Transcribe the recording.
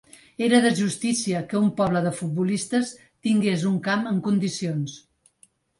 Era de justícia que un poble de futbolistes tingués un camp en condicions.